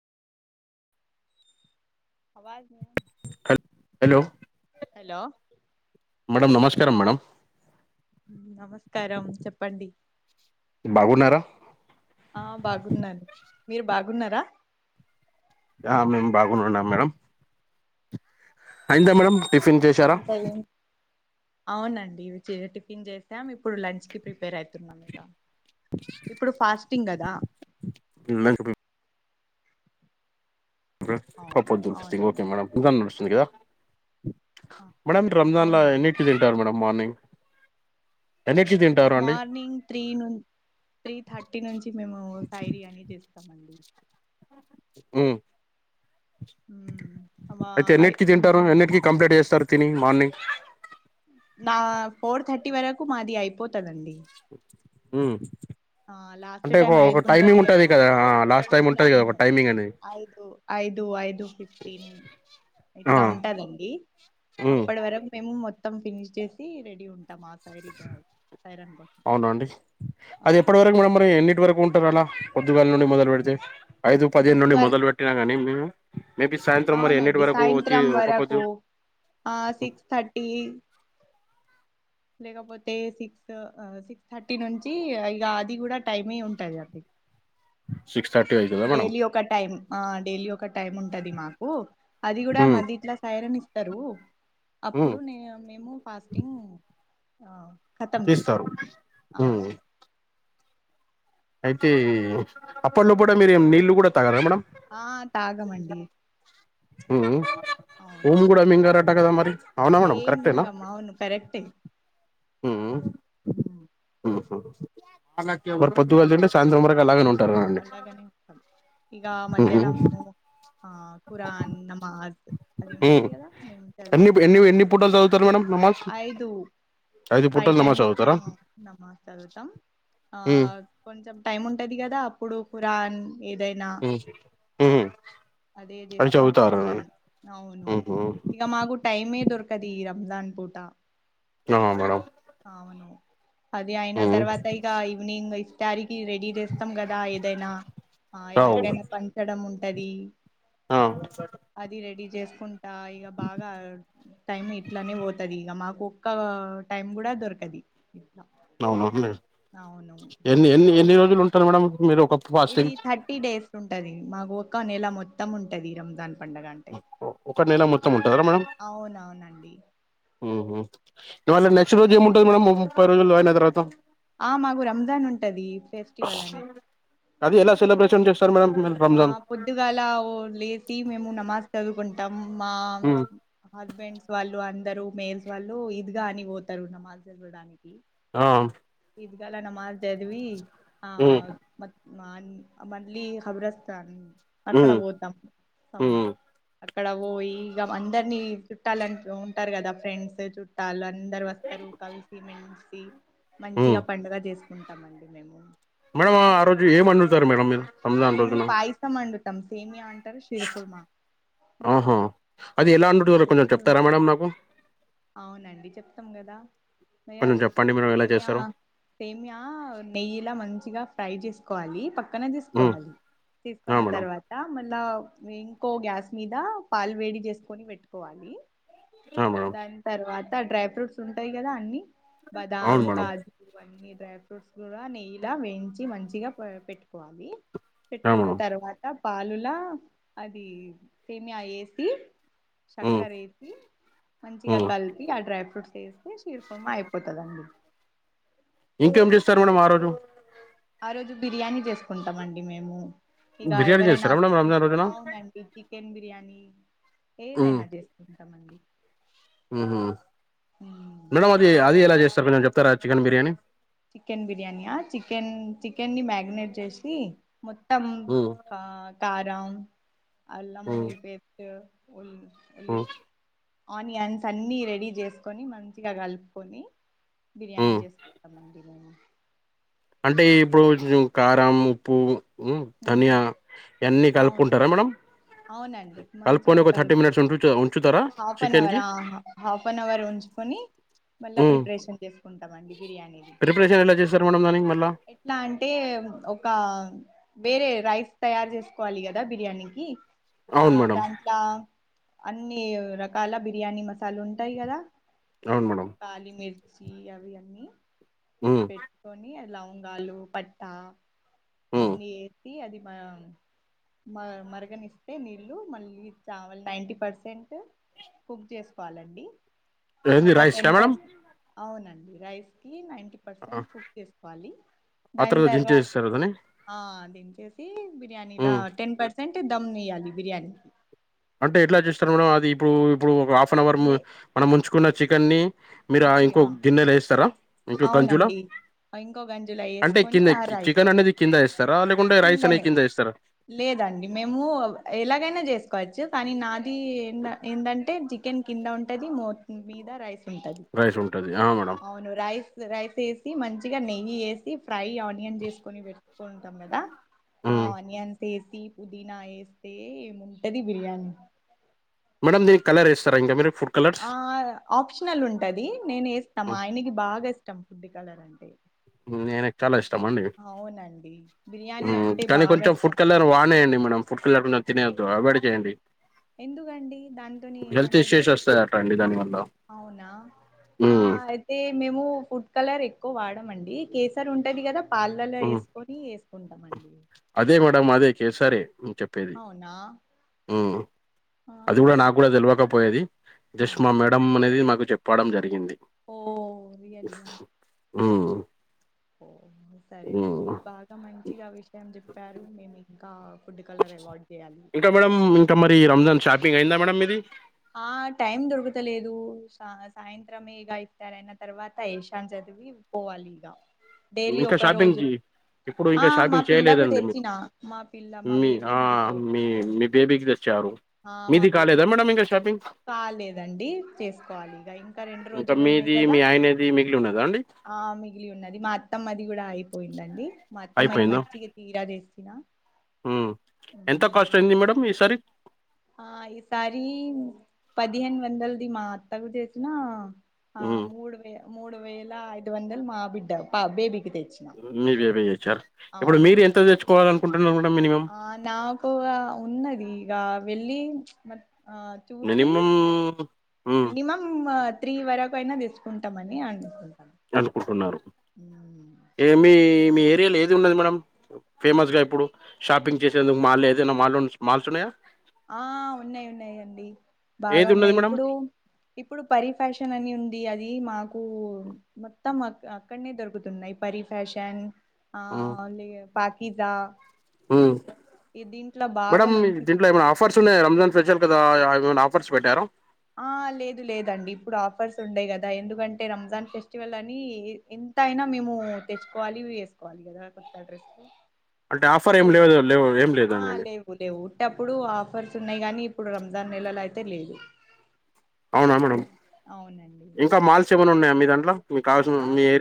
అ హల్ hello hello మ నమస్కారం మేడం నమస్కారం చెప్పండి బాగున్నారా ఆ బాగున్నారు మీరు బాగున్నారా ఆ మేము బాగున్నాం మేడం అయింతా మేడమ్ టిఫిన్ చేశారా ఇంకా ఏం అవునండి ఇవి టిఫిన్ చేసాం ఇప్పుడు లంచ్ కి ప్రిపేర్ అవుతున్నాం ఇక ఇప్పుడు ఫాస్టింగ్ కదా అవును ంగ్ ఓకే అవునండి మేడడంా నడుస్తుాందిదా మేడమ్ రంజాన్ ఎన్నింటి అవునవునండి తింటారు మేడ మార్నింగ్ ఎన్నిటికి తింటారు అండి మార్నింగ్ త్రీ ను త్రీ థర్టీ నుంచి మేము సాయిర్ అని చేస్తామండి ఆ మ్మ్. మా అయితే ఎన్నిటికి తింటారు ఎన్నిటికిీ కంప్లైంట్ చేస్తారు తిని మార్నింగ్ నా ఫోర్ థర్టీ వరకు మాది అయిపోతుందండి హ ఆ లాస్ట్ టైమ్ ఐదు ఉంటది కదా లాస్ట్ టైం ఉంటది కదా ఒక అవునవును టైమింగ్ అనేది ఐదు ఐదు ఐదు ఫిఫ్టీన్ ఆ ఇట్లా ఉంటదండి ఉమ్ అప్పటి వరకు మేము మ మొత్తం ఫినిష్ చేసి రెడీ ఉంటాం ఆ సైరీగా సైరన్ కోసం అవునా అండి ఆ అది ఎప్పటి వరకు మేడం మరి ఎన్నింటి వరకు ఉంటారు అలా పొద్దుగాల నుండి మొదలు పెడితే ఐదు పదిహేను నుండి పొద్దుగాల మొదలుపెట్టినా కానీ మేము మేబీ సాయంత్రం మరి ఎన్నిటి అవునండి వరకు వచ్చి సాయంత్రం ఒకపోద్దు వరకు ఆ సిక్స్ థర్టీ లేకపోతే సిక్స్ సిక్స్ థర్టీ నుంచి ఇక అది కూడా టైమ ఉంటంది అండి సిక్స్ థర్టీ అవుతుందా మేడం డైలీ ఒక టైమ్ ఆ డైలీ ఒక టైమ్ ఉంటది మాకు అది కూడా ఉమ్ మది ఇట్లా సాయర్ని ఇస్తారు ఉమ్ అప్పుడు నే మేము ఫాస్టింగ్ కతం తీస్తారు చేస్తారు ఆ ఉమ్ అయితే అప్పట్లో కూడా మీరుే నీళ్ళలు కూడా తగల అన్న ఆ తాగమండడి ఉఊమి కూడా మింగారట కదా మరి అవునా ఏ మేడం మీీంగమ్మా అవును కరెక్ట్ే హ హ మరి పొద్దుగాలు తంటే సాయంత్రం వరకు అలాగనే ఉంటుంది అలాగనే ఇం ఇక ఉహు మధ్యాల మ ఆ ఖురాన్ నమాజ్ అది ఉమ్ ఉంటది కదా మేము ఎన్ని చదువుకుంటా ఎన్ని ఎన్ని పూటలు చదువుతారు మేడం నమాజ్ ఐదు ఐదు ఫైవ్ పూటలు నమాజ్ టైమ్స్ చదువుతారా అందమ్మా చదువుతాం ఆ ఉమ్ కొంచెం టైం ఉంటది కదా అప్పుడు ఖురాన్ ఏదైనా హ్మ్మ్ అదే చేసుకుంటా ఉంటాను అవును ఉహు ఇక మాకు టైమే దొరకది ఈ రంజాన్ పూట అ మేడం అవును అది అయిన ఉహు తర్వాత ఇక ఈవినింగ్ తారీకి రెడీ చేస్తాం కదా ఏదైనా ఆ అవు ఎవరికైనా పంచడం ఉంటది ఆ అది రెడీ చేసుకుంటా ఇక బాగా టైం ఇట్లనే బోతది ఇగ మాకు ఒక్క టైం కూడా దొరకది ఇట్ల అవునా అండి అవును వీళ్ళు ఉంటర మేడం మీరు ఒక ఇది ఫాస్టింగ్ థర్టీ డేస్ ఉంటది మాకు ఒక్క నెల మొత్తం ఉంటది రంజాన్ పండగ అంటే ఒక నెల మొత్తం ఇప్ ఉంటదా అవునవునండి మ్ హు ఇవాళ్ళ నెక్స్ట్ రోజు ఏముంటుంది మేడంమ్ ముప్పై రోజులు అయిన తర్వాత ఆ మాకు రంజాన్ ఉంటది ఫెస్టివల్ అని అది ఎలా సెలబ్రేషన్ చేస్ ఆ పొద్దుగాలా ఓ లేసి మేము నమాజ్ చదువుకుంటాం మా ఉమ్ హస్బెండ్స్ వాళ్ళు అన్ ఇద్దరు మేయిల్స్ వాళ్ళు ఇద్గ అని పోతారు నమాజ్ చదవడానికి ఆ ఇద్గాల నమాజ్ చదివి ఆ ఉమ్ మ మా మళ్ళీ ఔరస్తా అని అక్కడ ఉమ్ పోతాం ఉమ్ అక్కడ ఓయి ఇగ అందరినీ చుట్టాలని ఉంటారు కదా ఫ్రెండ్స్ చుట్టాలని అందరు వస్తారు కలిసిమెలిసి ఉమ్ మంచిగా పండగ చేసుకుంటామండి మేము మేడం ఆ రోజు ఏమ్ వండుతారు మేడం మీరు రంజాన్ మేము రోజున పాయసం వండుతాం సేమియా అంటారు షీర్ కుర్మా ఆహా అది ఎలా ఆ అండుతారో షీర్ కొంచెం చెప్తారా కుర్మా మేడం నాకు అవునండి చెప్తాం కదా కొంచెం హయద్ చెప్పండి మీరు ఎలా సేమియా చేస్తారో సేమియా నెయ్యిలా మంచిగా ఫ్రై జేస్కోలి పక్కన ఉమ్ దీస్కోవాలి ఆ తీసుకున్నా మేడం తరువాత అలా ఇంకో గ్యాస్ మీద పాలు వేడి జేసుకొని పెట్టుకోవాలి ఆ మేడం దాన్ తర్వాత డ్రై ఫ్రూట్స్ ఉంటాయి కదా అన్ని బాదాం అవును మేడం కాజూ ఇవన్నీ డ్రై ఫ్రూట్స్ కూడా నెయ్యలా వేయించి మంచిగా పెట్టుకోవాలి ఆ పెట్టుకున్న మేడం తర్వాత పాలులా అది సేమియా ఎసి ఉమ్ చక్కరేసి మంచిగా ఉమ్ కలిపి ఆ డ్రై ఫ్రూట్ చేస్తే చీర్పమా అయిపోతదండి కేం చేస్తారు మేడం ఆ రోజు ఆ రోజు బిర్యానీ చేసుకుంటామండి మేము ఇగ బిర్యానీ ఎవరైనా చేస్తారా మేడం వస్తే రంజాన్ రోజున అవునండి చికెన్ బిర్యానీ ఏదైనా చేసుకుంటామండి మ్ హు ఉమ్ మేడం అది ఇక అది ఎలా చేస్తార్ మేడం చెప్తారా చికెన్ బిర్యానీ చికెన్ బిర్యానియా చికెన్ చికెన్ ని మ్యాగినేట్ చేసి మొత్తం ఉమ్ కా కారం అల్లం ఉమ్ ఉల్లిపేస్ట్ ఉల్లి వెళ్ళి ఉమ్ ఆనియన్స్ అన్ని రెడీ జేసుకొని మంచిగా గలుపుకొని బిర్యానీ ఉమ్ జస్ మన బిర్యానీ అంటే ఇప్పుడు కుంచెం కారం ఉప్పు మ్ ధనియా ఉమ్ అన్ని అవును కలుపుకుంటారా మేడం అవునండి మంచిగా కలుపుకొని ఒక కల్ థర్టీ మినిట్స్ ఉంటు ఉంచుతారా హాఫ్ అన్ చికెన్ అవర్ కి ఆ హాఫ్ అన్ అవర్ ఉంచి కొని మళ్ళా ఉమ్ ప్రిపరేషన్ చేసుకుంటామండి బిర్యానీది ప్రిపరేషన్ ఎలా చేస్తారు మేడం దానికి మళ్ళా ఎట్లా అంటే ఒక వేరే రైస్ తయారు చేసుకోవాలి కదా బిర్యానీకి ఆ అవును మేడం దాంట్ల అన్ని రకాల బిర్యానీ మసాలా ఉంటాయి కదా అవును మేడం కాలిమిర్ ర్చి అవి అన్నీ ఉమ్ పెట్టుకొని లవంగాలు పట్టా ఉమ్ అన్ని ఏసి అది మ మ మరగనిస్తే నీళ్ళు మళ్ళీ చావల్ నైంటీ పర్సెంట్ కుక్ చేసుకోవాలండి ఏది మళ్ళా రైస్ టెన్ క మేడం పర్సెంట్ అవునండి రైస్కి నైంటీ ఆ పర్సెంట్ కుక్ చేసుకోవాలి ఆ దాని తర్వాత తర్వాత్ దించేస్తారు దాన్ని ఆ దించేసి బిర్యానీలా ఉమ్ టెన్ పర్సెంట్ దమ్ ఇయ్యాలి బిర్యానీకి అంటే ఎట్లా చేస్తారు మేడం అది ఇప్పుడు ఇప్పుడు ఒక హాఫ్ అన్ అవర్ ము లే మనం ముంచుకున్న చికెన్ని మీరు ఆ ఇంకో గిన్నెలో ఎయిస్తారా ఇంకో గంజులో అవునండి ఇంకో గంజులో అంటే వేసుకొని కింద ఆ రైస్ చికెన్ అనేది కింద ఏస్తారా లేకుంటే రైస్ అనేది కిందనే కింద ఇస్తారా లేదండి మేము ఎలాగైనా చేసుకోవచ్చు కానీ నాది ఎంద ఏంటంటే చికెన్ కింద ఉంటది మో మీదా రైస్ ఉంటది రైస్ ఉంటుంది మేడం అవును రైస్ రైస్ వేసి మంచిగా నెయ్యి వేసి ఫ్రై ఆనియన్ చేసుకొని పెట్టుకుంటాం కదా ఆ హ్మ్. ఆనియన్స్ ఏసి పుదీనా ఎస్తే ఉంటది బిర్యానీ మేడమ్ మీరు కలర్ ఏస్తారా ఇంగ మీరు ఫుడ్ కలర్స్ ఆ ఆప్షనల్ ఉంటది నేను వేస్తా మా హ్మ్. ఆయనకి బాగా ఇష్టం ఫుడ్ కలర్ అంటే మీ ఆయనకు చాలా ఇష్ట ష్టమండి అవునండి బిర్యానీ మ్మ్ అంటే కానీ బాగా కొంచెం ఫుడ్ ఇష్టం కలర్ వానేయండి మనం ఫుడ్ కలర్ తినేయద్దు అవైడ్ చేయండి ఎందుకండి దాంతోని హెల్త్ ఏమయితది ఇష్యూస్ వస్తాయట అండి దానివల్ల అవునా ఆ హ్మ్. అయితే మేము ఫుడ్ కలర్ ఎక్కువ వాడ డమండి కేసర్ ఉంటది కదా పాలలో హ్మ్. వేసుకొని వేసుకుంటామండి అదే మేడమ్ అదే కేసారే చెప్పేది అవునా మ్మ్ అది ఆహా కూడా నాకు కూడా తేల్వక పోయేది ఆ జస్ట్ మా మేడం అనేది మాకు చెప్పడం జరిగింది ఓ రియలియా మ్మ్ ఓ సరేనండి బాగా మంచిగా విషయం చెప్పారు మేము ఇంకా ఫుడ్ కలర్ అవాయిడ్ చేయాలి ఇంకా మేడమ్ ఇంకా మరి రంజాన్ షాపింగ్ అయిందా మేడమ్ మీది ఆ టైమ్ దొరకతలేదు సా సాయంత్రమే ఇగ అయితారన్న అయిన తర్వాత ఏశాన్ జ ఏవి పోవాలి ఇగ ఇంకా షాపింగ్ కి ఇప్పుడు ఆ ఇంకా మా షాపింగ్ పిల్లకు చేయలేదండి మీరు తెచ్చిన మా పిల్ల మా మీ బేబీ ఆ ఉంది పాప మీ మీ బేబీకి తెచ్చారు ఆ మా మీది కాలేద బేబీకి మేడమ్ ఇంగా షా కాలేదండి చేసుకోవాలి ఇగ ఇంకా రెండు ఇంకా రోజులు ఉన్నాయి మీది కదా మీ ఆయనది మిగిలి ఉన్నదా అండి ఆ మిగిలి ఉన్నది మా అత్తమ్మది కూడా అయిపోయిందండి మా అత్తమ్మగి మంచిగా తీరా తెచ్చిన మ్మ్ ఎంత కాస్ట్ అయింది మేడమ్ ఈసారి ఆ ఈసారి పదిహేను వందలది మా అత్తకు చేసినా ఆ హ్మ్ మూడు వే మూడు వేల ఐదు వందల్ మా బిడ్డ పా బేబి మ్మ్ మీ బేబి ఏచా ఇప్పుడు మీరు అవునండి ఎంత తెచ్చుకోవాలి అనుకుంటున్నారు ఆ నాకు ఉన్నది ఇగ వెళ్ళి మ ఆ చూసి మినిమమ్ మినిమం త్రీ వరకు అయినా తీసుకుంటాం అని అనిపిస్తది అనుకుంటున్నారు ఏమి మీ ఏరియాలో ఏది ఉన్నది మేడం ఫేమస్ గా ఇప్పుడు షాపింగ్ చేసేందుకు మాల్ ఏదైనా మాల్ మాల్స్ ఉన్నాయా ఆ ఉన్నాయి ఉన్నాయండి బాగా ఏది ఉన్నది ఉన్నాయి మేడం ఇప్పుడు ఇప్పుడు పరి ఫ్యాషన్ అని ఉంది అది మాకు కు మోత్తం అక్ అక్కడే దొరకుతున్నాయి పరి ఫ్యాషన్ ఆ హ్మ్, ఒలిగా పాకిీజా హ్మ్ మేడంమ్ మంచి దీంట్లో ఏమైనా ఆఫర్స్ ఉన్నాయా రంజాన్ ఫెస్టివల్ కదా ఆ ఏమన అఫ్ ఆ లేదు లేదండి ఇప్పుడు ఆఫ్ ఆఫర్స్ ఉండేయి కదా ఎందుకంటే రంజాన్ ఫెస్టివల్ అని ఎంత అయినా మేము తెచ్చుకోవాలి వేస్ [unintelligible] దగా కొత్తడ్రెస్ అంటే ఆఫర్ ఏం ఇప్పుడు లేదు ఉండయి లేవు ఏం ఆ లేదండి లేవు లేవు ఉటప్పుడు ఆఫర్స్ ఉన్నాయి గానీ ఇప్పుడు రంజాన్ నెలలో అయితే లేదు అవునా మేడంమ్ అవునండి ఇంకా మాల్స్ ఏమైనా ఉన్నాయా మీ దాంట్లో మీకు కావాల్సిన ఆ మీ ఏరియా